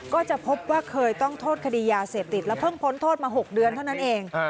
ก็จะพบว่าเคยต้องโทษคดียาเสพติดแล้วเพิ่งพ้นโทษมา๖เดือนเท่านั้นเอง